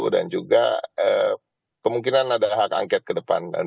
dan juga kemungkinan ada hak angket ke depan